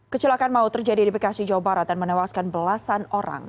kecelakaan maut terjadi di bekasi jawa barat dan menewaskan belasan orang